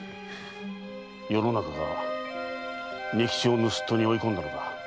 世の中が仁吉を盗っ人に追い込んだのだ。